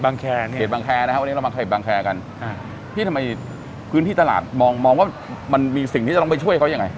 ในเขตบางแคร์เรามาเขตบางแคร์กันพี่ทำไมพื้นที่ตลาดมองว่ามันมีสิ่งที่จะต้องไปช่วยเขายังไง